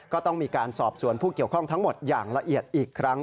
ก็ต้องมีการสอบสวนผู้เกี่ยวข้องทั้งหมดอย่างละเอียดอีกครั้ง